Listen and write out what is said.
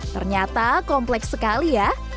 ternyata kompleks sekali ya